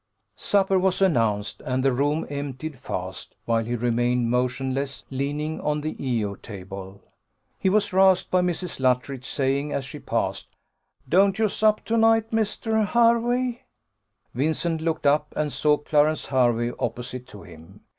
Supper was announced, and the room emptied fast, whilst he remained motionless leaning on the E O table. He was roused by Mrs. Luttridge saying, as she passed, "Don't you sup to night, Mr. Hervey?" Vincent looked up, and saw Clarence Hervey opposite to him.